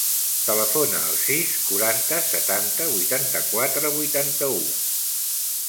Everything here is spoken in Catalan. Telefona al sis, quaranta, setanta, vuitanta-quatre, vuitanta-u.